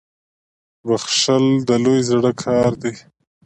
• بخښل د لوی زړه کار دی.